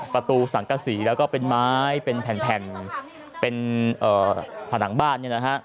ประตูสังกะสีแล้วก็เป็นไม้เป็นแผ่นเป็นผ่านหลังบ้าน